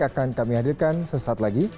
akan kami hadirkan sesaat lagi